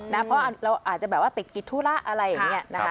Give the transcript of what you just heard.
เพราะเราอาจจะแบบว่าติดกิจธุระอะไรอย่างนี้นะคะ